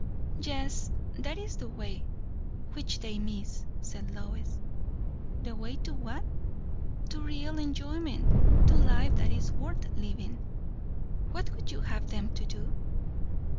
"Yet that is the way, which they miss," said Lois. "The way to what?" "To real enjoyment. To life that is worth living." "What would you have them do?"